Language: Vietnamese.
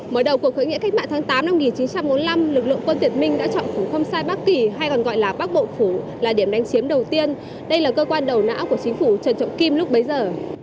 mở đầu cuộc khởi nghĩa cách mạng tháng tám năm một nghìn chín trăm bốn mươi năm lực lượng quân tiện minh đã chọn phủ không sai bắc kỳ hay còn gọi là bắc bộ phủ là điểm đánh chiếm đầu tiên đây là cơ quan đầu nã của chính phủ trần trọng kim lúc bấy giờ